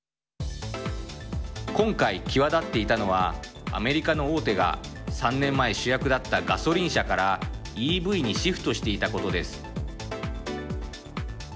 今回、際立っていたのはアメリカの大手が３年前、主役だったガソリン車からＥＶにシフトしていたことです。